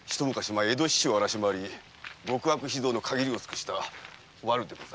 前江戸市中を荒し回り極悪非道の限りを尽くしたワルでございます。